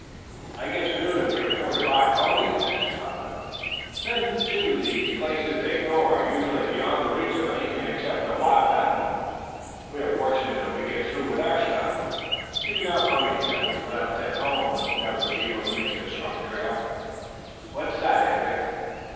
"I guess few of them can afford to buy ponies," answered Butler. "Then, too, the places they go to are usually beyond the reach of anything except a wild animal. We are fortunate if we get through with our stock. Even our own ponies that we left at home would never be able to make this rough trail. What's that, Anvik?"